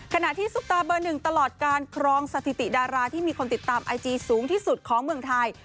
ซุปตาเบอร์หนึ่งตลอดการครองสถิติดาราที่มีคนติดตามไอจีสูงที่สุดของเมืองไทย